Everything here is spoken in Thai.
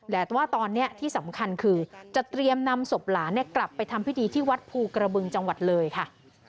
แต่ว่าตอนนี้ที่สำคัญคือจะเตรียมนำศพหลานกลับไปทำพิธีที่วัดภูกระบึงจังหวัดเลยค่ะ